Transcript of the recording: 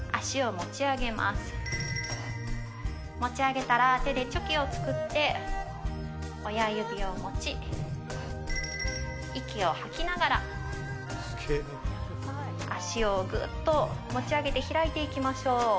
持ち上げたら手でチョキを作って、親指を持ち、息を吐きながら足をぐっと持ち上げて開いていきましょう。